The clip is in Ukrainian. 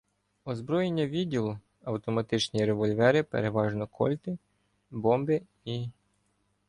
Озброєння відділу — автоматичні револьвери, переважно "Кольти", бомби і.